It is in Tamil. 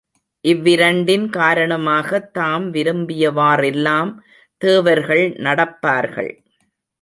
இவ்விரண்டின் காரணமாகத் தாம் விரும்பியவாறெல்லாம் தேவர்கள் நடப்பார்கள்!